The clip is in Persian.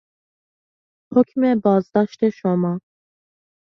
حکم بازداشت شما